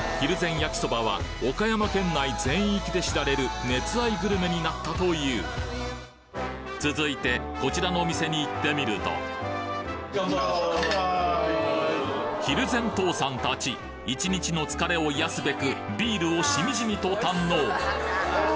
焼そばは岡山県内全域で知られる熱愛グルメになったという続いてこちらのお店に行ってみるとひるぜん父さん達１日の疲れを癒やすべくビールをしみじみと堪能！